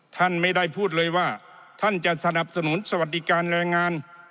ท่านไม่ได้พูดเลยว่าท่านจะสนับสนุนสวัสดิการแรงงาน